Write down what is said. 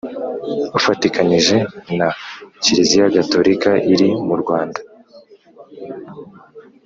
ufatikanije na Kiliziya Gatolika iri mu Rwanda